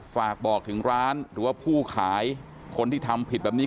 ฝากบอกถึงร้านหรือว่าผู้ขายคนที่ทำผิดแบบนี้